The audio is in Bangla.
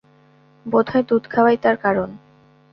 বোধ হয় দুধ খাওয়াই তার কারণ।